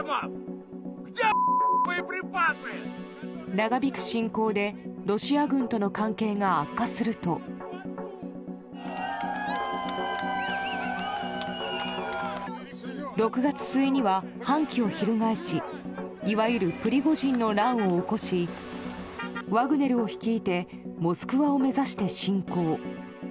長引く侵攻でロシア軍との関係が悪化すると６月末には反旗を翻しいわゆるプリゴジンの乱を起こしワグネルを率いてモスクワを目指して進行。